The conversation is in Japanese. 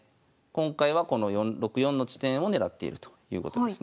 今回はこの６四の地点を狙っているということですね。